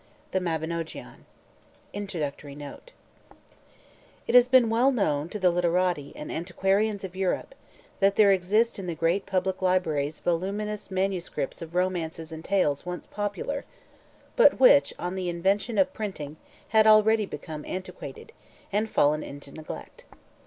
THE MABINOGEON INTRODUCTORY NOTE It has been well known to the literati and antiquarians of Europe that there exist in the great public libraries voluminous manuscripts of romances and tales once popular, but which on the invention of printing had already become antiquated, and fallen into neglect.